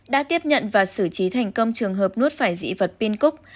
đã tiếp nhận và xử trí thành công trường hợp nuốt phải dị vật pin cúc